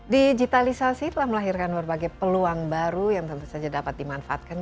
digitalisasi telah melahirkan berbagai peluang baru yang tentu saja dapat dimanfaatkan